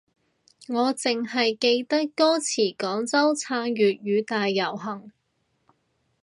我淨係記得歌詞廣州撐粵語大遊行